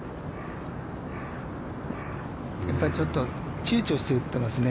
やっぱりちょっと躊躇して打ってますね。